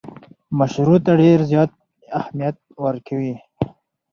مشورو ته ډېر زیات اهمیت ورکوي.